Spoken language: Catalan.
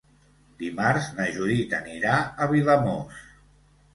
Dimarts na Judit anirà a Vilamòs.